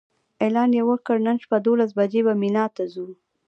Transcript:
اعلان یې وکړ نن شپه دولس بجې به مینا ته ځو.